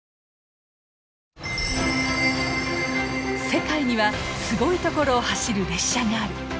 世界にはすごい所を走る列車がある。